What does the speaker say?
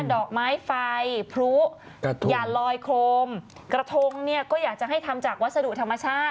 ดอกไม้ไฟพลุอย่าลอยโคมกระทงเนี่ยก็อยากจะให้ทำจากวัสดุธรรมชาติ